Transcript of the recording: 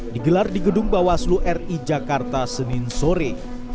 digelar di gedung bawaslu ri jakarta senin sore